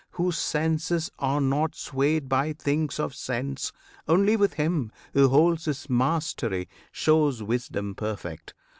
Whose senses are not swayed by things of sense Only with him who holds his mastery, Shows wisdom perfect.